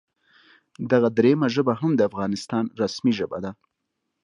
دغه دریمه ژبه هم د افغانستان رسمي ژبه ده